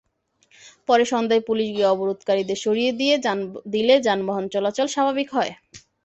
পরে সন্ধ্যায় পুলিশ গিয়ে অবরোধকারীদের সরিয়ে দিলে যানবাহন চলাচল স্বাভাবিক হয়।